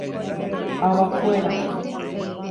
Avakuéra.